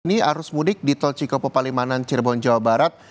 ini arus mudik di tol cikopo palimanan cirebon jawa barat